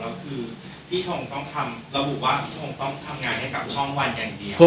แล้วคือพี่ทงต้องทำระบุว่าพี่ทงต้องทำงานให้กับช่องวันอย่างเดียว